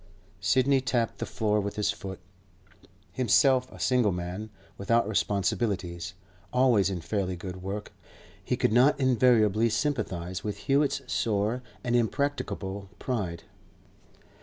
Sidney tapped the floor with his foot. Himself a single man, without responsibilities, always in fairly good work, he could not invariably sympathise with Hewett's sore and impracticable pride.